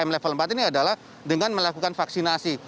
enam level empat ini adalah dengan melakukan vaksinasi